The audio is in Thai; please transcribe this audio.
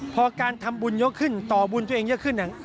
พอการทำบุญเยอะขึ้นต่อบุญตัวเองเยอะขึ้น